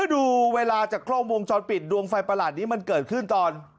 ดูเวลาจากกล้องวงจรปิดดวงไฟประหลาดนี้มันเกิดขึ้นตอน